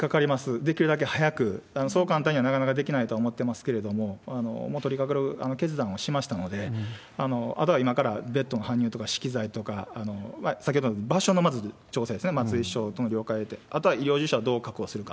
できるだけ早く、そう簡単にはなかなかできないと思ってますけれども、もう取りかかる決断をしましたので、あとは今からベッドの搬入とか、資器材とか、先ほど、場所のまず調整ですね、松井市長との了解を得て、あとは医療従事者をどう確保するか。